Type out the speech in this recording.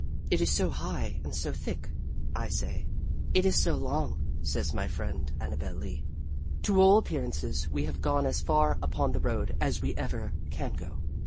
"It is so high and so thick," I say. "It is so long," says my friend Annabel Lee. To all appearances we have gone as far upon the road as we ever can go.